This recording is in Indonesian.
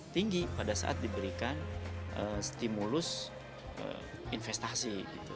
tinggi pada saat diberikan stimulus investasi